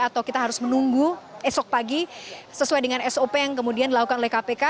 atau kita harus menunggu esok pagi sesuai dengan sop yang kemudian dilakukan oleh kpk